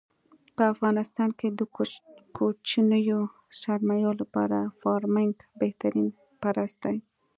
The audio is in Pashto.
په افغانستان کې د کوچنیو سرمایو لپاره فارمنګ بهترین پرست دی.